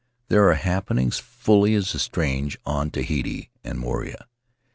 There are happenings fully as strange on Tahiti and Moorea.